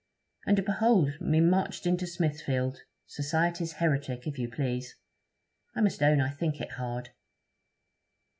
And behold me marched into Smithfield! society's heretic, if you please. I must own I think it hard.'